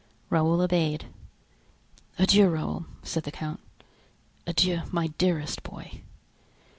Raoul obeyed. "Adieu, Raoul," said the count; "adieu, my dearest boy!"